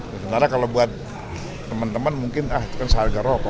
karena kalau buat teman teman mungkin ah itu kan seharga rokok